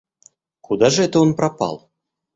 Куда же это он пропал?